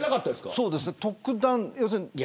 そうですね、特段。